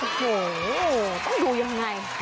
โอ้โหต้องดูยังไง